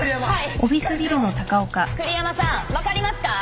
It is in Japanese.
栗山さん分かりますか？